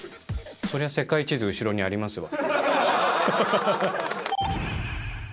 そりゃ世界地図、後ろにありますわ。